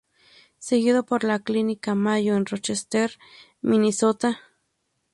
Seguido por la Clínica Mayo en Rochester, Minnesota.